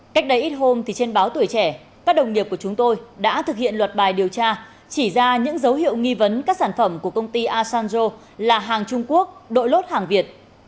cách đây ít hôm thì trên báo tuổi trẻ các đồng nghiệp của chúng tôi đã thực hiện luật bài điều tra chỉ ra những dấu hiệu nghi vấn các sản phẩm của công ty asanjo là hàng trung quốc đội lốt hàng việt